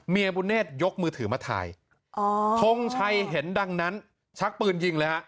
บุญเนธยกมือถือมาถ่ายทงชัยเห็นดังนั้นชักปืนยิงเลยฮะ